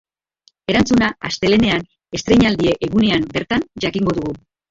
Erantzuna astelehenean, estreinaldi egunean bertan, jakingo dugu.